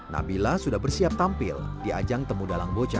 nabila sudah bersiap tampil di ajang temu dalang bocah dua ribu tujuh belas ini